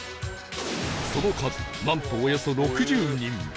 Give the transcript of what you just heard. その数なんとおよそ６０人